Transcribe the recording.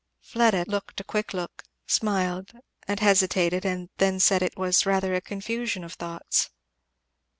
Fleda looked a quick look, smiled, and hesitated, and then said it was rather a confusion of thoughts.